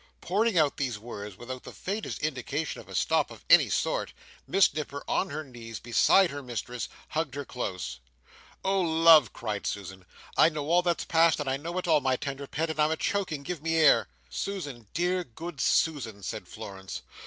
Pouring out these words, without the faintest indication of a stop, of any sort, Miss Nipper, on her knees beside her mistress, hugged her close. "Oh love!" cried Susan, "I know all that's past I know it all my tender pet and I'm a choking give me air!" "Susan, dear good Susan!" said Florence.